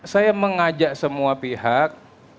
saya mengajak semua pihak